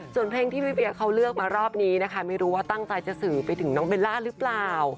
ส่วนเพลงที่พี่เวียเขาเลือกมารอบนี้นะคะไม่รู้ว่าตั้งใจจะสื่อไปถึงน้องเบลล่าหรือเปล่า